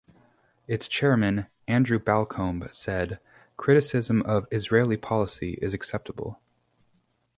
Its chairman, Andrew Balcombe said: Criticism of Israeli policy is acceptable.